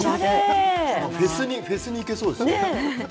フェスに行けそうですね。